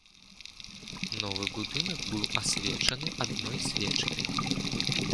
Новы будынак быў асвечаны адной свечкай.